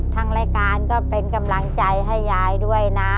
ทางรายการก็เป็นกำลังใจให้ยายด้วยนะ